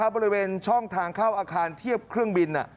บริเวณช่องทางเข้าอาคารเทียบเครื่องบิน